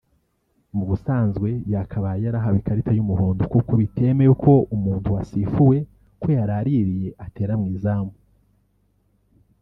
Mu busanzwe yakabaye yarahawe ikarita y’umuhondo kuko bitemewe ko umuntu wasifuwe ko yaraririye atera mu izamu